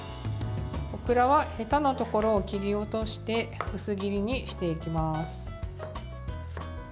オクラはへたのところを切り落として薄切りにしていきます。